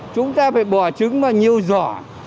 chúng ta phải bỏ trứng vào nhiều giỏ